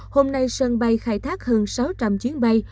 hôm nay sân bay khai thác hơn sáu trăm linh chuyến bay